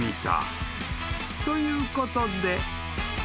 ［ということで］